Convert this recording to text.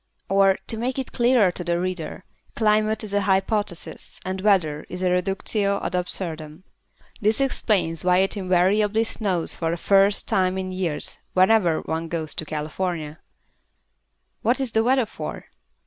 Or, to make it clearer to the reader, Climate is a Hypothesis and Weather is a Reductio ad Absurdum. This explains why it invariably snows for the first time in years whenever one goes to California. [Illustration: A TREE] What is the Weather for?